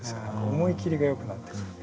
思い切りがよくなってくる。